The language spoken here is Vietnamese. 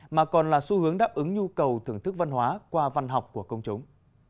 mà còn là xu hướng đáp ứng nhu cầu thưởng thức văn hóa qua văn học của công chúng